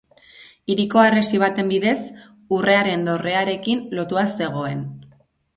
Hiriko harresi baten bidez, Urrearen Dorrearekin lotua zegoen.